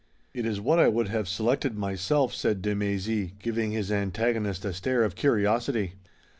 "It is what I would have selected myself," said de Mézy, giving his antagonist a stare of curiosity.